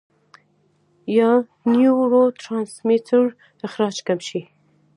يا نيوروټرانسميټر اخراج کم شي -